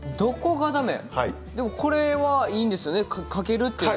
これはいいんですよね掛けるというのは。